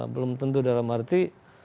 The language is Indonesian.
belum tentu dalam arti